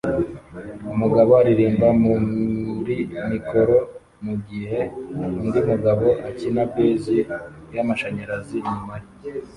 Umugabo aririmba muri mikoro mugihe undi mugabo akina bass yamashanyarazi inyuma ye